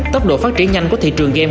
tốc độ phát triển nhanh của thị trường game